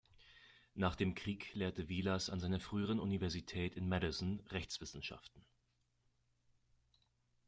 Nach dem Krieg lehrte Vilas an seiner früheren Universität in Madison Rechtswissenschaften.